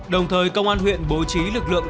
đồng thời công an huyện bố trí lực lượng